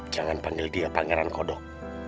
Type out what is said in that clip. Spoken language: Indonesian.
jangan panggil dia pangeran kodok